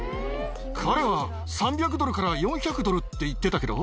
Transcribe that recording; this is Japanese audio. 彼は３００ドルから４００ドルって言ってたけど。